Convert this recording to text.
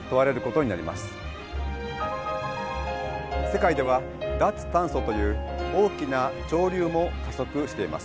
世界では脱炭素という大きな潮流も加速しています。